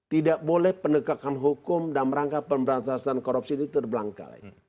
tidak boleh penegakan hukum dan merangka pemberantasan korupsi ini terbelangkalai